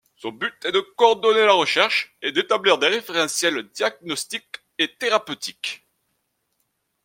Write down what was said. Son but est de coordonner la recherche et d'établir des référentiels diagnostiques et thérapeutiques.